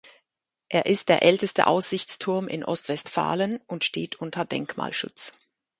Er ist der älteste Aussichtsturm in Ostwestfalen und steht unter Denkmalschutz.